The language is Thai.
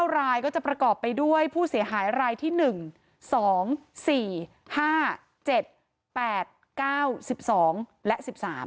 รายก็จะประกอบไปด้วยผู้เสียหายรายที่๑๒๔๕๗๘๙๑๒และ๑๓